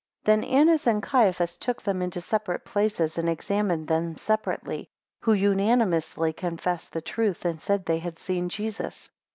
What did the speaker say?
8 Then Annas and Caiaphas took them into separate places, and examined them separately; who unanimously confessed the truth, and said, they had seen Jesus.